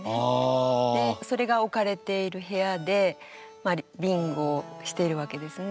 それが置かれている部屋でビンゴをしているわけですね。